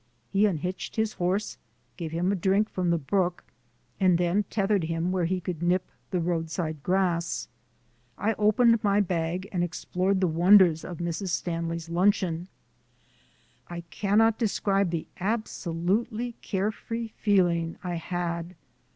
He unhitched his horse, gave him a drink from the brook, and then tethered him where he could nip the roadside grass. I opened my bag and explored the wonders of Mrs. Stanley's luncheon. I cannot describe the absolutely carefree feeling I had.